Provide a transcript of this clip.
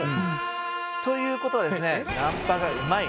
「という事はですね」